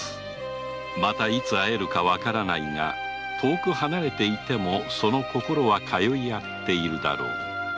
またいつ会えるか分からないが遠く離れていてもその心は通い合っているだろう。